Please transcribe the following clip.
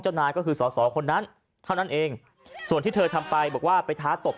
นายก็คือสอสอคนนั้นเท่านั้นเองส่วนที่เธอทำไปบอกว่าไปท้าตบ